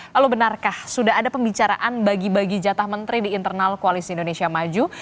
lalu benarkah sudah ada pembicaraan bagi bagi jatah menteri di internal koalisi indonesia maju